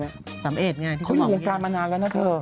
๓๑ไงที่สามารถเห็นเขาอยู่โรงการมานานแล้วนะเธอ